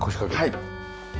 はい。